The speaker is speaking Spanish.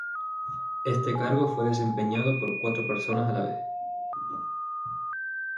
Este cargo fue desempeñado por cuatro personas a la vez.